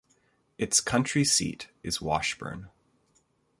Its county seat is Washburn.